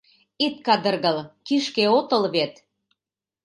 Ит кадыргыл, кишке отыл вет!